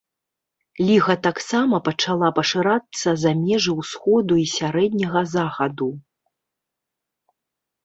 Ліга таксама пачала пашырацца за межы ўсходу і сярэдняга захаду.